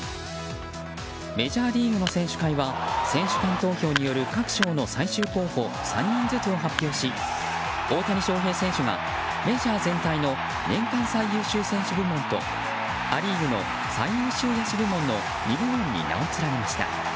メジャーリーグの選手会は選手間投票による各賞の最終候補３人ずつを発表し大谷翔平選手がメジャー全体の年間最優秀選手部門とア・リーグの最優秀野手部門の２部門に名を連ねました。